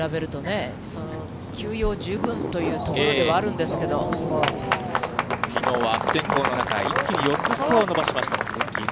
蛭田さんに比べるとね、休養、十分というところではあるんですきのうは悪天候の中、一気に４つスコアを伸ばしました、鈴木。